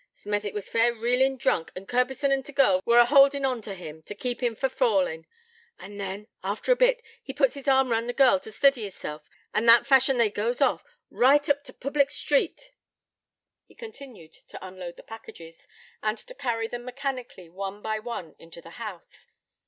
Smethwick was fair reelin' drunk, and Curbison and t' girl were a houldin' on to him, to keep him fra fallin'; and then, after a bit, he puts his arm round the girl t' stiddy hisself, and that fashion they goes off, right oop t' public street ' He continued to unload the packages, and to carry them mechanically one by one into the house.